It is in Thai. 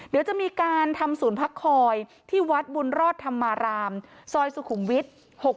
เดี๋ยวจะมีการทำศูนย์พักคอยที่วัดบุญรอดธรรมารามซอยสุขุมวิทย์๖๖